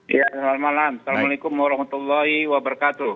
ya selamat malam assalamualaikum warahmatullahi wabarakatuh